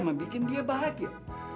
membikin dia bahagia